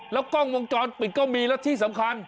แล้วกล้องวงจรปิดก็มีแล้วที่สำคัญ